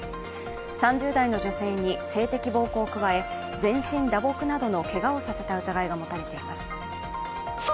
３０代の女性に性的暴行を加え全身打撲などのけがをさせた疑いが持たれています。